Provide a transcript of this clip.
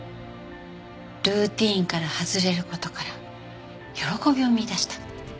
ルーティンから外れる事から喜びを見いだした。